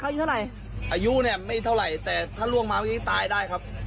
อายุเท่าไหร่อายุเนี่ยไม่เท่าไหร่แต่ถ้าล่วงมาวันนี้ตายได้ครับ